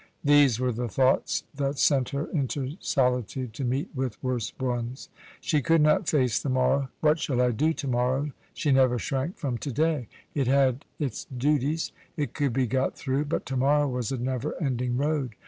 These were the thoughts that sent her into solitude, to meet with worse ones. She could not face the morrow. "What shall I do to morrow?" She never shrank from to day it had its duties; it could be got through: but to morrow was a never ending road.